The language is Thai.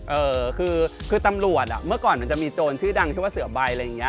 เออคือคือตำรวจอ่ะเมื่อก่อนมันจะมีโจรชื่อดังชื่อว่าเสือใบอะไรอย่างเงี้